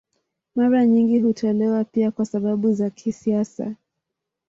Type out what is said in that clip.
Mara nyingi hutolewa pia kwa sababu za kisiasa.